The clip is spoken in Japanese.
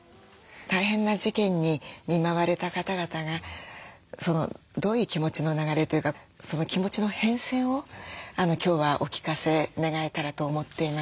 大変な事件に見舞われた方々がどういう気持ちの流れというか気持ちの変遷を今日はお聞かせ願えたらと思っています。